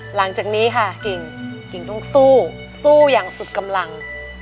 หลังจากนี้ค่ะกิ่งกิ่งต้องสู้สู้อย่างสุดกำลัง